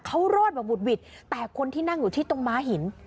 เขารอดแบบบุดหวิดแต่คนที่นั่งอยู่ที่ตรงม้าหิน